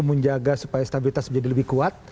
menjaga supaya stabilitas menjadi lebih kuat